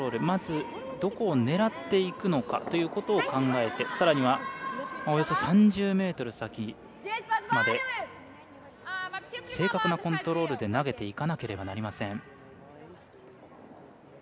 まず、どこを狙っていくのかということを考えてさらには、およそ３０ｍ先まで正確なコントロールで投げていかなければなりません。